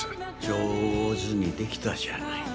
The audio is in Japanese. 上手にできたじゃないか。